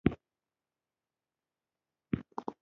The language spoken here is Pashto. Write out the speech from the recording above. بیا یې موږ ته په شپږو کسانو یوه کوټه راکړه.